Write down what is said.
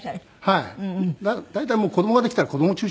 はい。